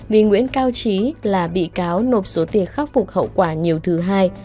vì nguyễn cao trí là bị cáo nộp số tiền khắc phục hậu quả nhiều thứ hai